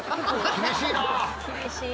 厳しいな。